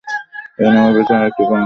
এই নামের পেছনে আরেকটি কারণ ছিল।